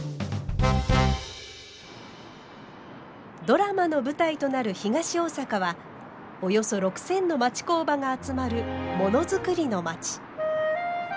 ドラマの舞台となる東大阪はおよそ６，０００の町工場が集まるものづくりの町。